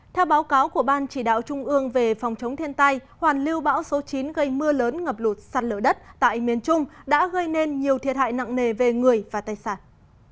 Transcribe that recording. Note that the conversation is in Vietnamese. theo báo cáo của ban chỉ đạo trung ương về phòng chống thiên tai hoàn lưu bão số chín gây mưa lớn ngập lụt sạt lở đất tại miền trung đã gây nên nhiều thiệt hại nặng nề về người và tài sản